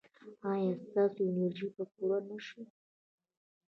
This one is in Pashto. ایا ستاسو انرژي به پوره نه شي؟